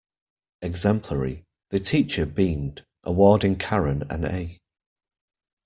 Exemplary, the teacher beamed, awarding Karen an A.